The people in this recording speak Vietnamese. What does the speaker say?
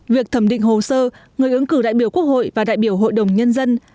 việc thẩm định hồ sơ người ứng cử đại biểu quốc hội và đại biểu hội đồng nhân dân